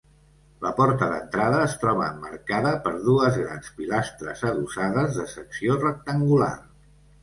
La porta d'entrada es troba emmarcada per dues grans pilastres adossades de secció rectangular.